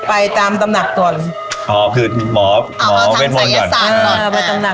ไปตามตำหนักก่อนอ๋อคือหมอทำศัยศาสตร์